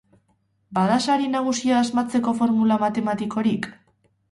Bada sari nagusia asmatzeko formula matematikorik?